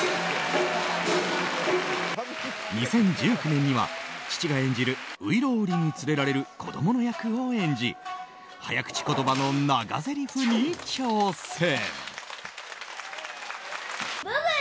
２０１９年には父が演じる外郎売に連れられる子供の役を演じ早口言葉の長ぜりふに挑戦。